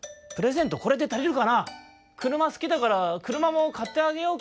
くるますきだからくるまもかってあげようか？」。